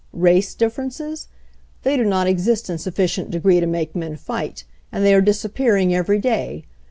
Race differences? They do not exist in sufficient degree to make men fight, and they are disappearing every day.